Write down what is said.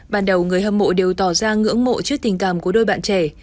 ban đầu người hâm mộ đều tỏ ra ngưỡng mộ trước tình cảm của đôi bạn trẻ